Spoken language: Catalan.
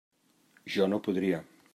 Jo no podria.